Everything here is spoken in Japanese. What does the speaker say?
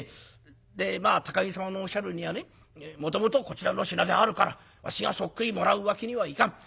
で高木様のおっしゃるにはねもともとこちらの品であるからわしがそっくりもらうわけにはいかん。